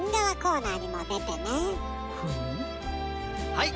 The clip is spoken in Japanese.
はい！